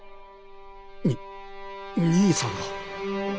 にっ兄さんが？